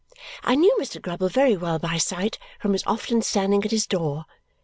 I knew Mr. Grubble very well by sight, from his often standing at his door.